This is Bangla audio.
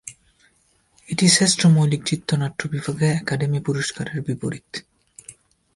এটি শ্রেষ্ঠ মৌলিক চিত্রনাট্য বিভাগে একাডেমি পুরস্কারের বিপরীত।